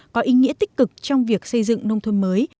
có ý nghĩa tích cực trong việc xây dựng nông thôn mới